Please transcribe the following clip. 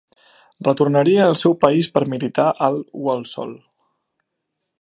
Retornaria al seu país per militar al Walsall.